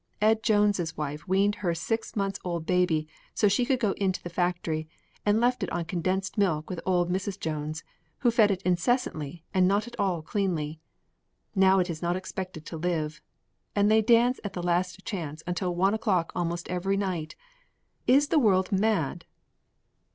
Ed Jones' wife weaned her six months' old baby so she could go in the factory, and left it on condensed milk with old Mrs. Jones, who fed it incessantly and not at all cleanly. Now it is not expected to live. And they dance at the Last Chance until one o'clock almost every night. Is the world mad?"